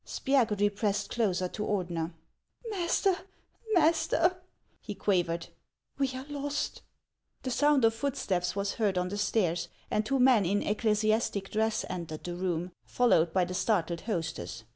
Spiagudry pressed closer to Ordeuer. " Master, master," he quavered, " we are lost !" The sound of footsteps was heard on the stairs, and two men in ecclesiastic dress entered the room, followed by the startled hostess.